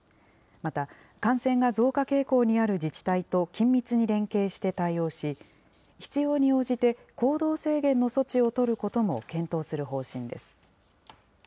また、感染が増加傾向にある自治体と緊密に連携して対応し、必要に応じて行動制限の措置を取ることも検討する方針です。